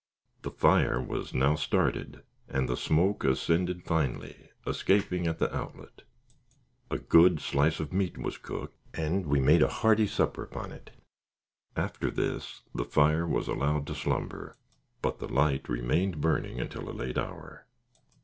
The fire was now started, and the smoke ascended finely, escaping at the outlet. A good slice of meat was cooked, and we made a hearty supper upon it. After this the fire was allowed to slumber, but the light remained burning until a late hour.